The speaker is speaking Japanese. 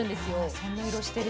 そんな色してる。